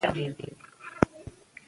تعلیق باید لنډمهاله وي.